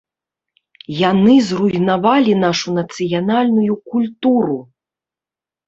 Яны зруйнавалі нашу нацыянальную культуру.